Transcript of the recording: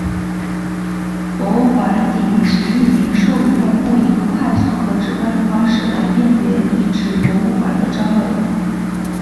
博物馆顶级域名授予用户一个快速和直观的方式来辨别遗址博物馆的真伪。